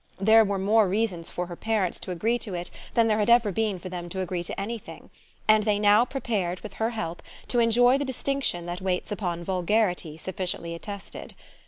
There were more reasons for her parents to agree to it than there had ever been for them to agree to anything; and they now prepared with her help to enjoy the distinction that waits upon vulgarity sufficiently attested.